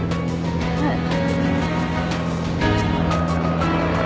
はい。